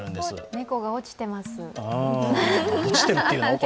猫が落ちてます。